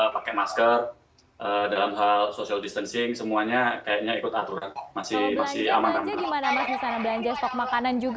pakai masker dalam hal social distancing semuanya kayaknya ikut aturan masih masih aman aman